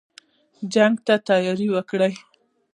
جنګ ته تیاری وکړی.